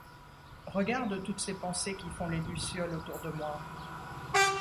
Regarde toutes ces pensées qui font les lucioles autour de moi.